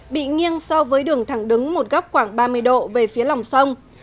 bị nghiêng so với đường thẳng đứng một góc khoảng ba mươi độ về phía lòng sông